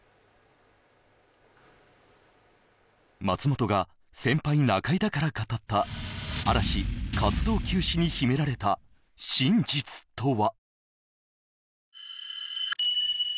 松本が先輩・中居だから語った嵐活動休止に秘められた真実とは？